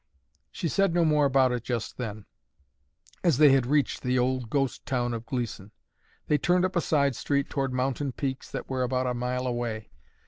She said no more about it just then, as they had reached the old ghost town of Gleeson. They turned up a side street toward mountain peaks that were about a mile away.